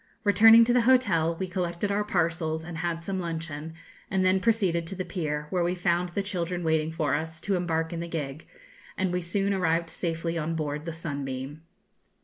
Returning to the hotel, we collected our parcels and had some luncheon, and then proceeded to the pier, where we found the children waiting for us to embark in the gig, and we soon arrived safely on board the 'Sunbeam.'